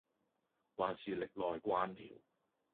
還是歷來慣了，